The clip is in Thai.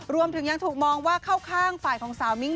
รวมถึงยังถูกมองว่าเข้าข้างฝ่ายของสาวมิ้ง